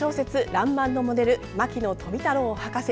「らんまん」のモデル牧野富太郎博士。